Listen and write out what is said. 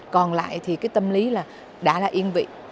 còn lại thì cái tâm lý là đã là yên vị